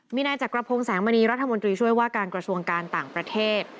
มีนายจักรพงศ์แสงมณีรัฐมนตรีช่วยว่าการกระทรวงการต่างประเทศ